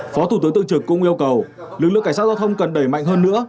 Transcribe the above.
phó thủ tướng tượng trực cũng yêu cầu lực lượng cảnh sát giao thông cần đẩy mạnh hơn nữa